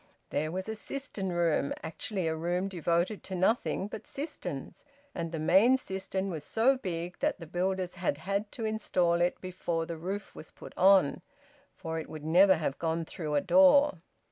There was a cistern room, actually a room devoted to nothing but cisterns, and the main cistern was so big that the builders had had to install it before the roof was put on, for it would never have gone through a door.